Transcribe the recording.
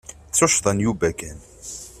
D tuccḍa n Yuba kan.